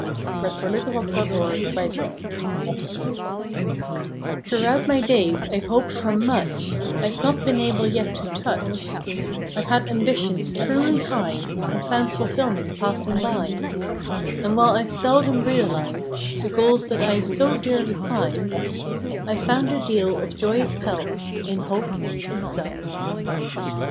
November Twenty third THE JOY OF HOPING nPHROUGHOUT my days I ve hoped for much I ve not been able yet to touch; I ve had ambitions truly high And found fulfilment passing by; And while I ve seldom realized The goals that I ve so dearly prized, I ve found a deal of joyous pelf In HOPE itself.